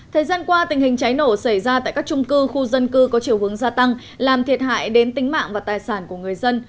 thời gian qua tình hình cháy nổ xảy ra tại các trung cư khu dân cư có chiều hướng gia tăng làm thiệt hại đến tính mạng và tài sản của người dân